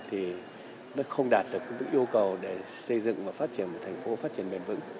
thì nó không đạt được các yêu cầu để xây dựng và phát triển thành phố phát triển mềm vững